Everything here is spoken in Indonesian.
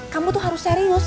kamu tuh harus serius